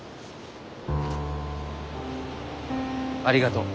ありがとう。